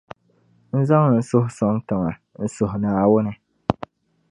n zaŋ n suhu sɔŋ tiŋa n-suhi Naawuni.